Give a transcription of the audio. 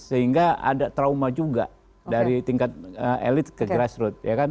sehingga ada trauma juga dari tingkat elit ke grassroot